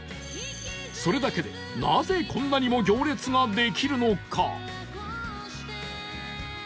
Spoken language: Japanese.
それだけでなぜこんなにも行列ができるのか？